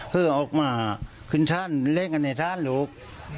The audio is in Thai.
ก็ออกมาขึ้นชาติเล่นกันในชาติลูก